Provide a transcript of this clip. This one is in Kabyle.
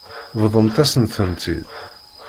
Bḍumt-asent-tent-id.